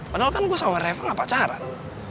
padahal kan gue sama reva gak pacaran